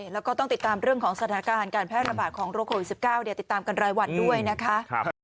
แล้วก็ต้องติดตามเรื่องของสถานการณ์การแพร่ระบาดของโรคโควิด๑๙ติดตามกันรายวันด้วยนะคะ